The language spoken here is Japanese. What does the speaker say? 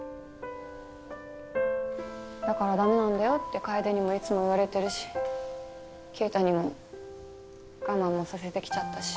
だから駄目なんだよって楓にもいつも言われてるし圭太にも我慢もさせてきちゃったし。